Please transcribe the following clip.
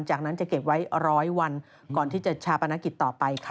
จากนั้นจะเก็บไว้๑๐๐วันก่อนที่จะชาปนกิจต่อไปค่ะ